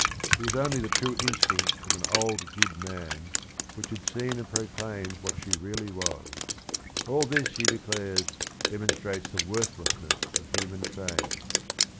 It was only "the true instinct of an old good man" which had seen and proclaimed what she really was. All this he declares, demonstrates the worthlessness of human fame.